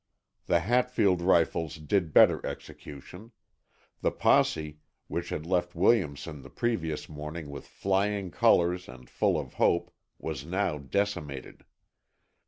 The Hatfield rifles did better execution. The posse, which had left Williamson the previous morning with flying colors and full of hope, was now decimated.